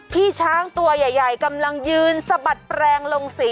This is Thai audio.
พี่ช้างตัวใหญ่กำลังยืนสะบัดแปลงลงสี